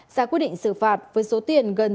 ra quy định xử phạt với số tiền gần